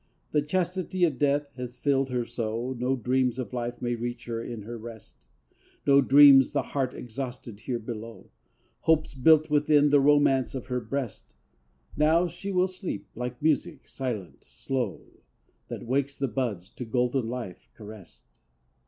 The chastity of death hath filled her so No dreams of life may reach her in her rest; No dreams the heart exhausted here below, Hopes built within the romance of her breast. Now she will sleep, like music, silent, slow, That wakes the buds, to golden life caressed.